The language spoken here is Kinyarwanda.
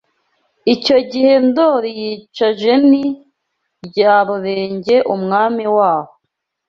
Icyo gihe Ndoli yica Jeni Rya Rurenge Umwami waho